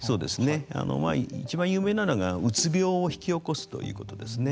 いちばん有名なのがうつ病を引き起こすということですね。